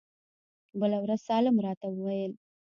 بله ورځ سالم راته وويل.